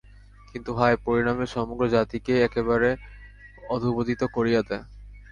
কিন্তু হায়! পরিণামে সমগ্র জাতিকে একেবারে অধঃপতিত করিয়া দেয়।